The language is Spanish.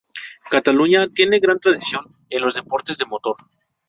Cataluña tiene gran tradición en los deportes de motor.